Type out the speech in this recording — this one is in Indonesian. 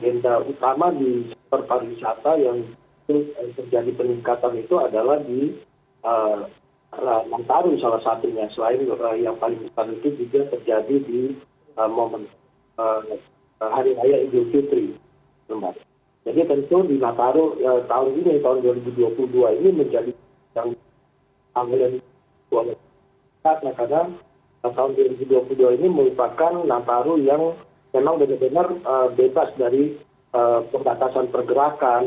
nah karena tahun dua ribu dua puluh dua ini merupakan nataru yang memang benar benar bebas dari perbatasan pergerakan